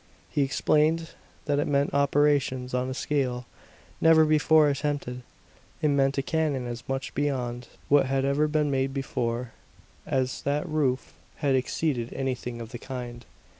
He explained that it meant operations on a scale never before attempted. It meant a cannon as much beyond what had ever been made before, as that roof had exceeded anything of the kind.